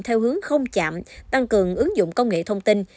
theo hướng không chạm tăng cường ứng dụng công nghệ thông tin